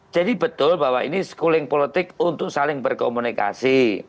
jadi betul bahwa ini schooling politik untuk saling berkomunikasi